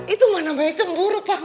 itu mana namanya cemburu pak